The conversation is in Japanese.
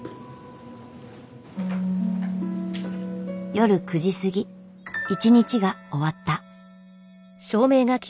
夜９時過ぎ一日が終わった。